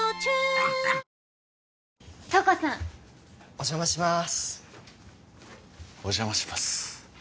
お邪魔しますお邪魔します